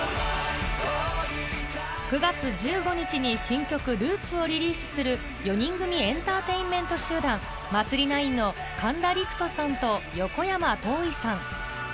９月１５日に新曲『ＲＯＯＴＳ』をリリースする４人組エンターテインメント集団祭ｎｉｎｅ．の神田陸人さんと横山統威さん